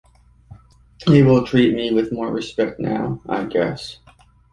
They will treat me with more respect now, I guess.